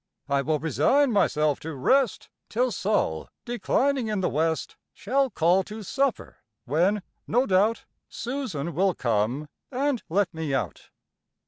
I will resign myself to rest Till Sol, declining in the west, Shall call to supper, when, no doubt, Susan will come and let me out."